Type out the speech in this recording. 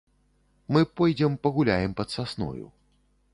Мы пойдзем пагуляем пад сасною.